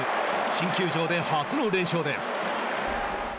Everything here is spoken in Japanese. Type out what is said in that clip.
新球場で初の連勝です。